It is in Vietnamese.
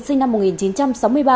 sinh năm một nghìn chín trăm sáu mươi ba